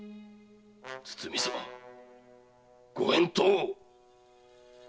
堤様ご返答を！